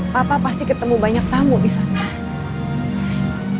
papa pasti ketemu banyak tamu disana